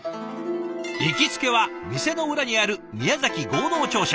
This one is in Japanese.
行きつけは店の裏にある宮崎合同庁舎。